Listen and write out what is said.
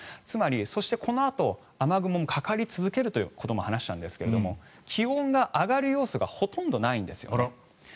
つまり、このあと雨雲もかかり続けるということも話したんですが気温が上がる要素がほとんどないんですね。